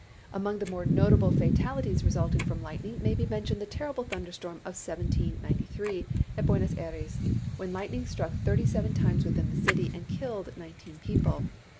Among the more notable fatalities resulting from lightning may be mentioned the terrible thunder storm of 1793, at Buenos Ayres, when the lightning struck thirty seven times within the city, and killed nineteen people.